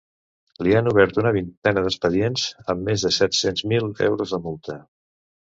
Li han obert una vintena d’expedients, amb més de set-cents mil euros de multa.